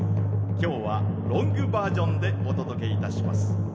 今日はロングバージョンでおとどけいたします。